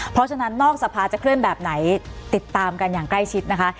เพราะฉะนั้นนอกสภาจะเคลื่อนแบบไหนติดตามกันอย่างใกล้ชิดนะคะ